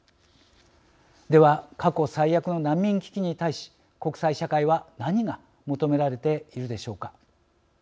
では、過去最悪の難民危機に対し国際社会は何が求められているでしょうか。